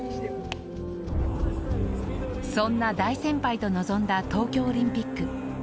そんな大先輩と臨んだ東京オリンピック。